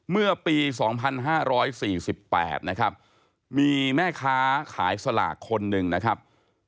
เมื่อปี๒๕๔๘นะครับมีแม่ค้าขายสลากคนหนึ่งนะครับ